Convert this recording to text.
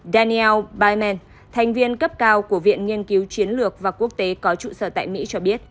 daniel byteman thành viên cấp cao của viện nghiên cứu chiến lược và quốc tế có trụ sở tại mỹ cho biết